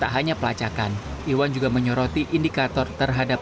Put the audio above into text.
tak hanya pelacakan iwan juga menyoroti indikator terhadap